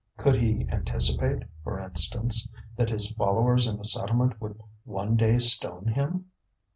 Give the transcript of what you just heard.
Could he anticipate, for instance, that his followers in the settlement would one day stone him?